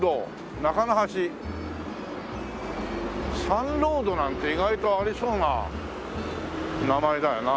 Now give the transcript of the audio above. サンロードなんて意外とありそうな名前だよな。